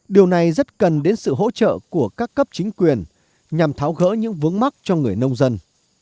điều này rất cần đến sự hỗ trợ của các cấp chính quyền nhằm tháo gỡ những vướng mắt cho người nông dân